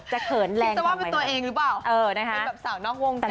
จะเขินแรงทำไมโอ๊ยนะคะมีแบบสาวนอกวงกาย